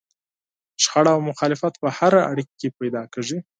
شخړه او مخالفت په هره اړيکه کې پيدا کېږي.